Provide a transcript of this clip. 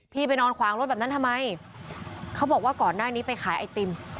ไปนอนขวางรถแบบนั้นทำไมเขาบอกว่าก่อนหน้านี้ไปขายไอติม